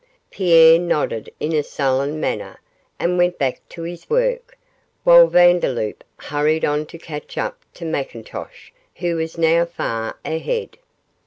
Pierre nodded in a sullen manner, and went back to his work, while Vandeloup hurried on to catch up to McIntosh, who was now far ahead.